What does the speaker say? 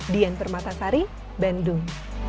dian permatasari bandung